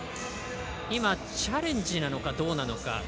今、チャレンジなのかどうか。